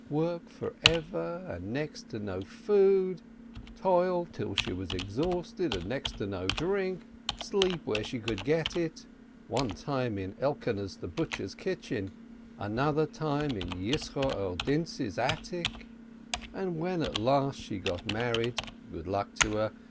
Work forever and next to no food, toil till she was exhausted and next to no drink, sleep where she could get it: one time in Elkoneh the butcher's kitchen, another time in Yisroel Dintzis' attic ... and when at last she got married (good luck to her